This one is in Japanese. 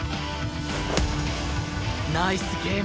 ナイスゲーム。